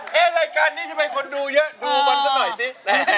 รายการนี้ทำไมคนดูเยอะดูมันซะหน่อยสิ